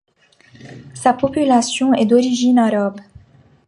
Sa population est d'origine arabe.